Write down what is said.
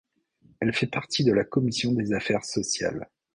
Il fait partie de la commission des affaires sociales.